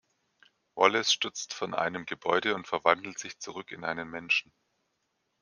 Wallace stürzt von einem Gebäude und verwandelt sich zurück in einen Menschen.